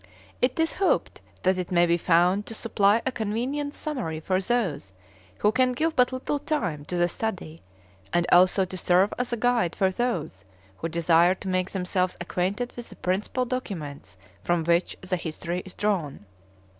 It is hoped that it may be found to supply a convenient summary for those who can give but little time to the study, and also to serve as a guide for those who desire to make themselves acquainted with the principal documents from which the History is drawn.